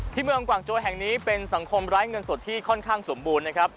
เมืองกวางโจแห่งนี้เป็นสังคมไร้เงินสดที่ค่อนข้างสมบูรณ์นะครับ